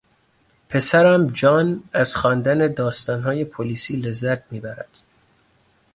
پسرم جان از خواندن داستانهای پلیسی لذت میبرد.